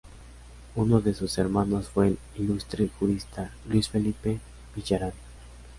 Uno de sus hermanos fue el ilustre jurista Luis Felipe Villarán.